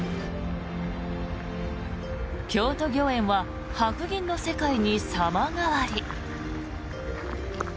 京都御苑は白銀の世界に様変わり。